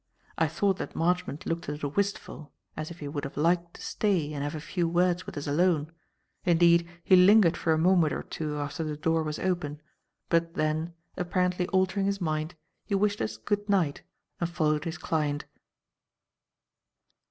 I thought that Marchmont looked a little wistful, as if he would have liked to stay and have a few words with us alone; indeed, he lingered for a moment or two after the door was open, but then, apparently altering his mind, he wished us "good night" and followed his client.